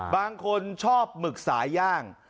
บางคนชอบหมึกสาย่าง